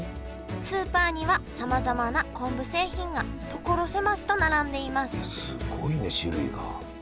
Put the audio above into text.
スーパーにはさまざまな昆布製品が所狭しと並んでいますすごいね種類が。